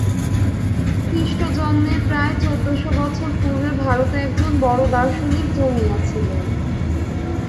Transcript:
খ্রীষ্টজন্মের প্রায় চৌদ্দ-শ বছর পূর্বে ভারতে একজন বড় দার্শনিক জন্মিয়াছিলেন।